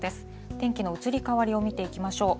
天気の移り変わりを見ていきましょう。